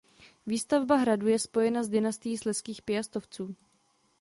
Výstavba hradu je spojena s dynastií slezských Piastovců.